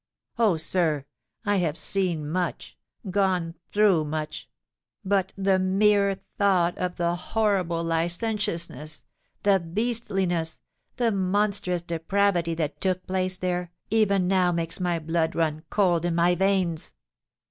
Oh! sir—I have seen much—gone through much; but the mere thought of the horrible licentiousness—the beastliness—the monstrous depravity that took place there, even now makes my blood run cold in my veins!